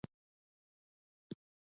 که له حقیقتونو سترګې پټې کړئ.